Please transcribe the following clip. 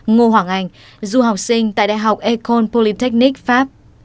ngô hoàng anh du học sinh tại đại học ecole polymttechnic pháp